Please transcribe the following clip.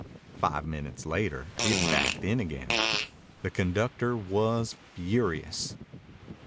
Five minutes later it backed in again. The conductor was furious.